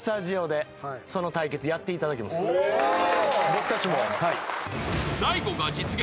僕たちも？